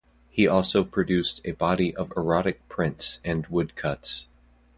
He also produced a body of erotic prints and woodcuts.